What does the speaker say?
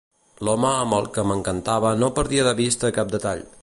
L'home amb el que m'encarava no perdia de vista cap detall.